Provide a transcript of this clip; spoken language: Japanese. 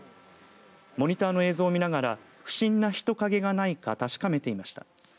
モニターの映像を見ながら不審な人影がないか確かめていました。